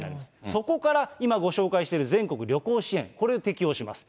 そこから今ご紹介している全国旅行支援、これを適用します。